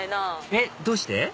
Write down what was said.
えっどうして？